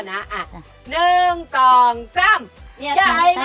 หนึ่งสองซ้ำยาดมนุษย์ป้า